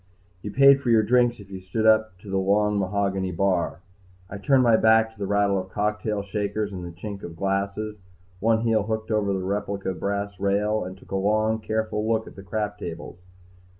You paid for your drinks if you stood up to the long mahogany bar. I turned my back to the rattle of cocktail shakers and chink of glasses, one heel hooked over the replica brass rail, and took a long careful look at the crap tables.